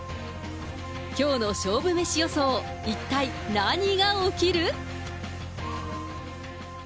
きょうの勝負メシ予想、一体何が起きる？